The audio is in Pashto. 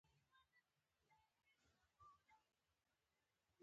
د کروندګر حوصله د زراعت د بریا بنسټ دی.